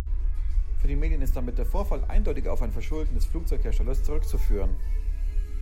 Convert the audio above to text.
Für die Medien ist damit der Vorfall eindeutig auf ein Verschulden des Flugzeugherstellers zurückzuführen.